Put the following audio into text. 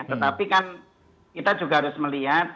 tetapi kan kita juga harus melihat